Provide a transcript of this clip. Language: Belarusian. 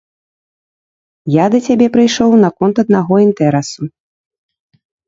Я да цябе прыйшоў наконт аднаго інтэрасу.